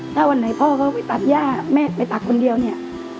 ถ้าวันไหนพ่อเขาไปตัดย่าแม่ไปตัดคนเดียวเนี่ย